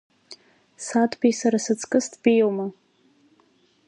Саҭбеи сара саҵкыс дбеиоума?!